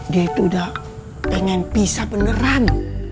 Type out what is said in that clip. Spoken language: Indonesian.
dia itu udah pengen pisah beneran